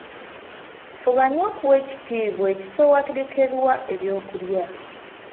Fuba nnyo okuwa ekitiibwa ekifo ewategekerwa ebyokulya.